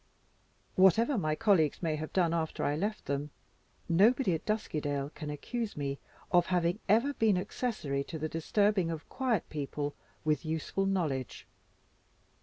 Whatever my colleagues may have done, after I left them, nobody at Duskydale can accuse me of having ever been accessory to the disturbing of quiet people with useful knowledge.